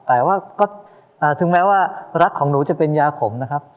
แต่ว่าก็ถึงแม้ว่ารักของหนูจะเป็นยาขมนะครับ